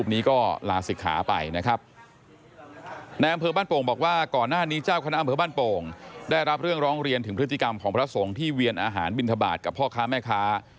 อำเภอบ้านโป่งได้รับเรื่องร้องเรียนถึงพฤติกรรมของพระสงฆ์ที่เวียนอาหารบิณฑบาตกับพ่อค้าแม่ค้า